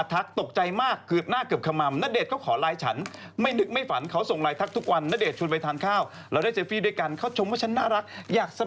อันนี้ส่งมาเป็นซองส่งไม่ได้ส่งปริศนีนะนี่ส่งมาด้วยตัวเองใช่ไหม